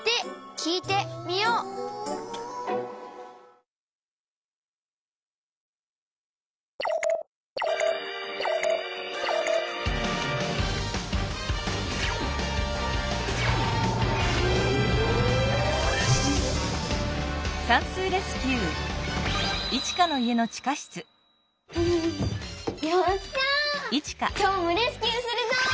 きょうもレスキューするぞ！